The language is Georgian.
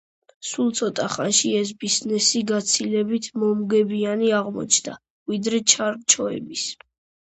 სულ ცოტა ხანში ეს ბიზნესი გაცილებით მომგებიანი აღმოჩნდა, ვიდრე ჩარჩოების.